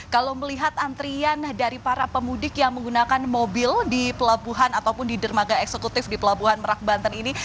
kalau melihat antrian dari para pemudik yang menggunakan mobil di pelabuhan ataupun di dermaga eksekutif di pelabuhan merak banten ini